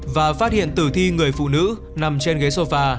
và phát hiện tử thi người phụ nữ nằm trên ghế sofa